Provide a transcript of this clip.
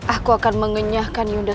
aku akan mengenyahkan yunda